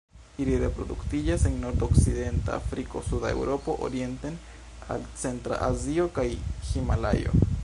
Ili reproduktiĝas en nordokcidenta Afriko, suda Eŭropo orienten al centra Azio, kaj Himalajo.